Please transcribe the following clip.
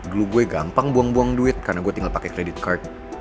dulu gue gampang buang buang duit karena gue tinggal pakai credit card